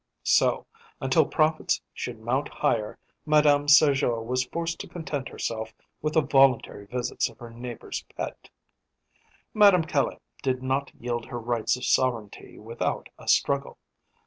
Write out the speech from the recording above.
So, until profits should mount higher, Madame Sergeot was forced to content herself with the voluntary visits of her neighbour's pet. Madame Caille did not yield her rights of sovereignty without a struggle.